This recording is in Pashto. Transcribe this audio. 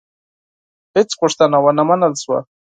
هیڅ غوښتنه ونه منل شوه.